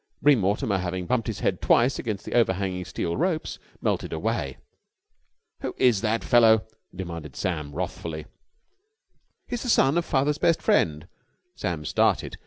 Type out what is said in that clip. Bream Mortimer, having bumped his head twice against overhanging steel ropes, melted away. "Who is that fellow?" demanded Sam wrathfully. "He's the son of father's best friend." Sam started.